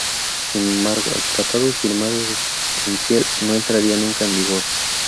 Sin embargo, el tratado firmado en Kiel no entraría nunca en vigor.